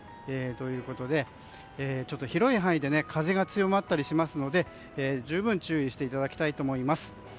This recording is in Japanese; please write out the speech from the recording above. ということで、広い範囲で風が強まったりしますので十分注意していただきたいと思います。